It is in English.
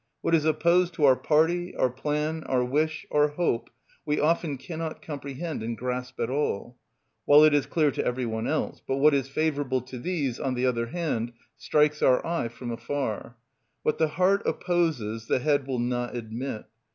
What is opposed to our party, our plan, our wish, our hope, we often cannot comprehend and grasp at all, while it is clear to every one else; but what is favourable to these, on the other hand, strikes our eye from afar. What the heart opposes the head will not admit.